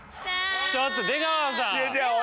ちょっと出川さん！